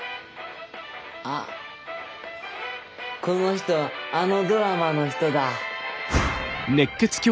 あっこの人あのドラマの人だ。